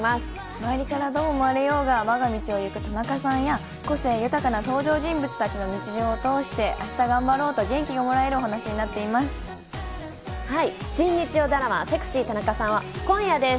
周りからどう思われようが、わが道を行く田中さんや、個性豊かな登場人物たちの日常を通して、あした頑張ろうと元気が新日曜ドラマ、セクシー田中さんは、今夜です。